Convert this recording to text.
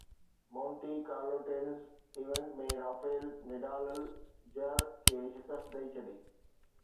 Monte ڪارلوٽينز event ۾ Rafael Nadal الجز کي شڪست ڏئي ڇڏي